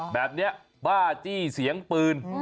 แบบนี้บ้าจี้เสียงปืน